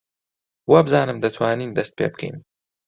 وابزانم دەتوانین دەست پێ بکەین.